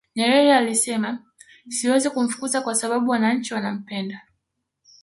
nyerere alisema siwezi kumfukuza kwa sababu wananchi wanampenda